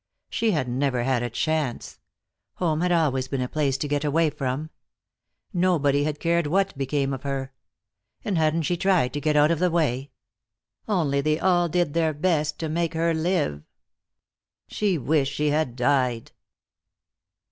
She had never had a chance. Home had always been a place to get away from. Nobody had cared what became of her. And hadn't she tried to get out of the way? Only they all did their best to make her live. She wished she had died.